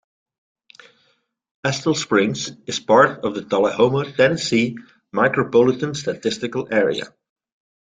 Estill Springs is part of the Tullahoma, Tennessee, Micropolitan Statistical Area.